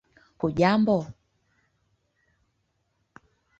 hujambo